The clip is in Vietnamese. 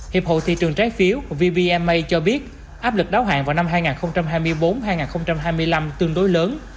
hiệp hội thị trường trái phiếu vbma cho biết áp lực đáo hạn vào năm hai nghìn hai mươi bốn hai nghìn hai mươi năm tương đối lớn